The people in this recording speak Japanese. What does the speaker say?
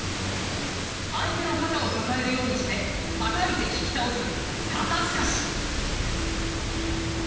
相手の肩を抱えるようにしてはたいて引き倒す肩透かし。